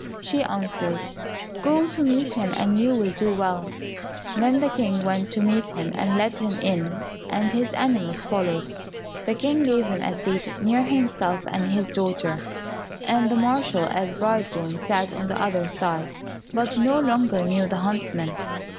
She answered, "Go to meet him and you will do well." Then the King went to meet him and led him in, and his animals followed. The King gave him a seat near himself and his daughter, and the marshal, as bridegroom, sat on the other side, but no longer knew the huntsman.